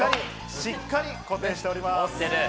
しっかり固定しております。